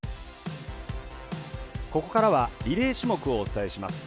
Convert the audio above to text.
ここからはリレー種目をお伝えします。